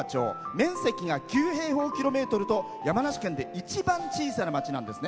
面積が９平方キロメートルと山梨県で一番小さな町なんですね。